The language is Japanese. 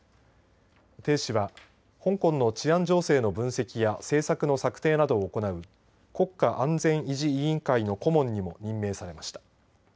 鄭氏は香港の治安情勢の分析や政策の策定などを行う国家安全維持委員会の顧問にも任命されました。